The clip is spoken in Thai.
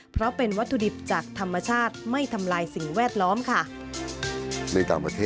เพราะเป็นวัตถุดิบจากธรรมชาติไม่ทำลายสิ่งแวดล้อมค่ะ